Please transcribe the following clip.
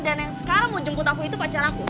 dan yang sekarang mau jemput aku itu pacar aku